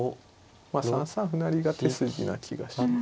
まあ３三歩成が手筋な気がしますね。